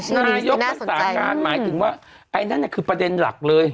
นายกรักษาการหมายถึงว่าไอ้นั่นน่ะคือประเด็นหลักเลย